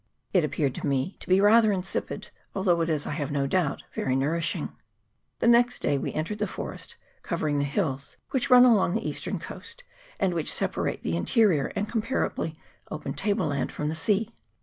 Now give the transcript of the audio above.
It appeared to me to be rather insipid, although it is, I have no doubt, very nourishing. The next day .we entered the forest covering the hills which run along the eastern coast, and which separate the interior and comparatively open table land from the sea.